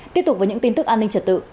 tiếp tục với những tin tức an ninh trật tự